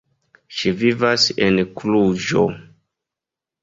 Ŝi vivas en Kluĵo.